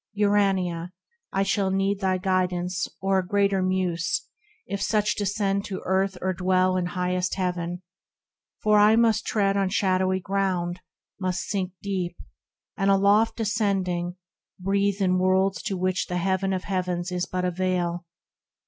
Urania, I shall need Thy guidance, or a greater Muse, if such Descend to earth or dwell in highest heaven ! For I must tread on shadowy ground, must sink Deep — and, aloft ascending, breathe in worlds To which the heaven of heavens is but a veil.